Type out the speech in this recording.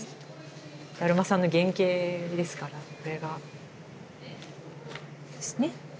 だるまさんの原型ですからこれが。ですね。